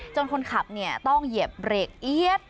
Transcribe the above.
คนขับต้องเหยียบเบรกเอี๊ยด